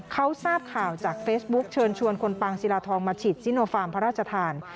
เขาทราบข่าวจากเฟซบุ๊กเชิญชวนคนปางศิลาทองมาฉีดซิโนฟาร์มพระราชทาน